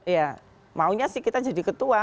ya maunya sih kita jadi ketua